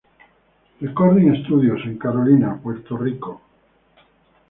Recordings Studios" en Carolina, Puerto Rico.